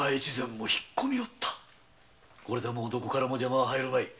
これでもうどこからも邪魔は入るまい。